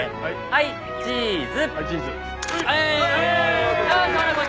はいチーズ。